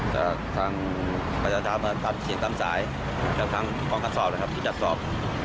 จากทางประจัดสัมพันธ์จากทางเชียงตามสายจากทางกองทัดสอบนะครับที่จัดสอบ